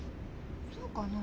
そうかな？